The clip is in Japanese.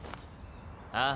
ああ。